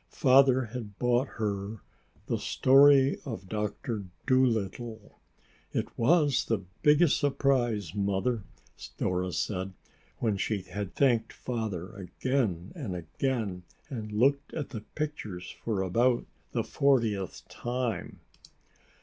Father had bought her the "Story of Doctor Dolittle." "It was the biggest surprise, Mother!" Dora said, when she had thanked Father again and again and looked at the pictures for about the fortieth time.